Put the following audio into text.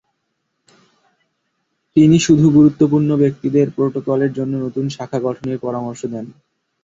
তিনি শুধু গুরুত্বপূর্ণ ব্যক্তিদের প্রটোকলের জন্য নতুন শাখা গঠনের পরামর্শ দেন।